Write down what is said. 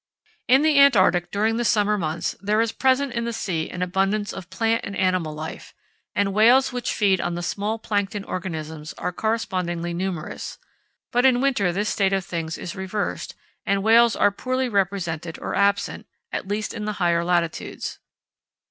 In the Antarctic, during the summer months, there is present in the sea an abundance of plant and animal life, and whales which feed on the small plankton organisms are correspondingly numerous, but in winter this state of things is reversed, and whales are poorly represented or absent, at least in the higher latitudes.